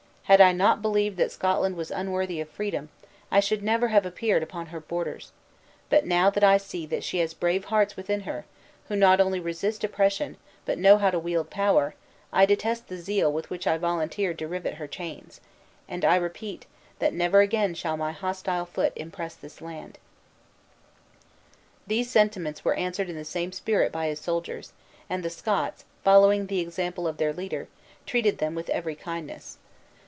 Had I not believed that Scotland was unworthy of freedom, I should never have appeared upon her borders; but now that I see that she has brave hearts within her, who not only resist oppression, but know how to wield power, I detest the zeal with which I volunteered to rivet her chains. And I repeat, that never again shall my hostile foot impress this land." These sentiments were answered in the same spirit by his soldiers; and the Scots, following the example of their leader, treated them with every kindness.